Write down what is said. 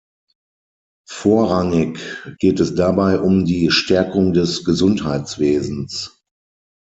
Vorrangig geht es dabei um die Stärkung des Gesundheitswesens.